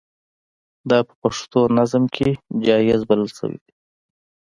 دا په پښتو نظم کې جائز بلل شوي دي.